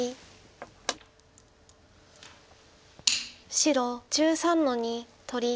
白１３の二取り。